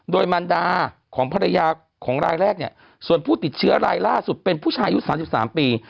โดยมัลดาของภรรยาของรายแรกภูติเชื้อรายล่าสุดเป็นผู้ชายยุทธ๓๓ปี